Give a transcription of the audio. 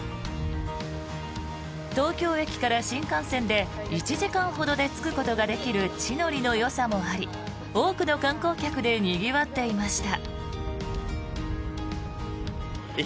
東京駅から新幹線で１時間ほどで着くことができる地の利のよさもあり多くの観光客でにぎわっていました。